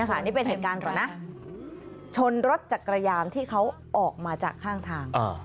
อันนี้เป็นเหตุการณ์ก่อนนะชนรถจักรยานที่เขาออกมาจากข้างทาง